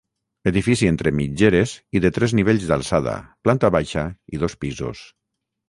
Edifici entre mitgeres i de tres nivells d'alçada, planta baixa i dos pisos.